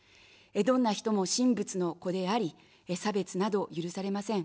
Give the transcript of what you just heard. どんな人も神仏の子であり、差別など許されません。